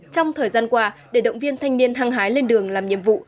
trong thời gian qua để động viên thanh niên hăng hái lên đường làm nhiệm vụ